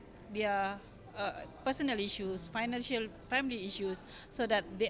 tapi melihat masalah pribadi